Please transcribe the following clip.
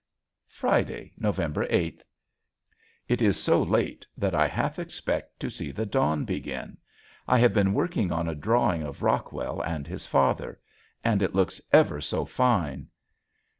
Friday, November eighth. It is so late that I half expect to see the dawn begin. I have been working on a drawing of Rockwell and his father and it looks ever so fine.